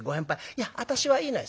『いや私はいいのよ』。